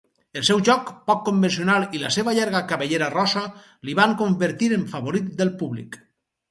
El seu joc poc convencional i la seva llarga cabellera rossa li van convertir en favorit del públic.